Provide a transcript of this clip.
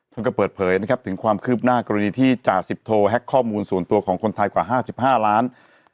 ท่านก็เปิดเผยนะครับถึงความคืบหน้ากรณีที่จ่าสิบโทแฮ็กข้อมูลส่วนตัวของคนไทยกว่า๕๕ล้าน